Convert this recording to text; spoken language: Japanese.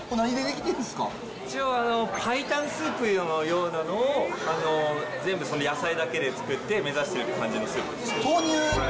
これ、一応、白湯スープのようなものを、全部野菜だけで作って、目指してる感豆乳？